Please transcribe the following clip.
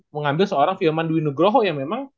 mengambil seorang fiumandu inugroho yang memang